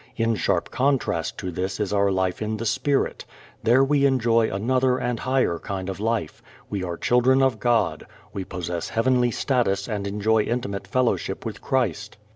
In sharp contrast to this is our life in the Spirit. There we enjoy another and higher kind of life; we are children of God; we possess heavenly status and enjoy intimate fellowship with Christ.